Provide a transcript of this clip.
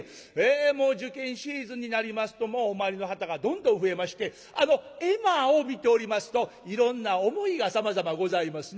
もう受験シーズンになりますとお参りの方がどんどん増えましてあの絵馬を見ておりますといろんな思いがさまざまございますね。